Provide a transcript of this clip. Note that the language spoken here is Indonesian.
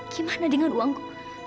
gimana dengan uangku